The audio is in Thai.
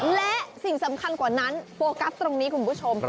และสิ่งสำคัญกว่านั้นโฟกัสตรงนี้คุณผู้ชม